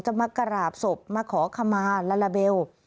มากราบศพมาขอขมาลาลาเบล